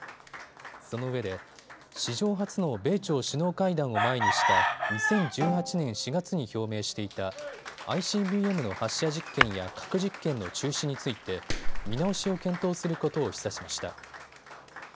そのうえで史上初の米朝首脳会談を前にした２０１８年４月に表明していたＩＣＢＭの発射実験や核実験の中止について見直しを検討することを示唆しました。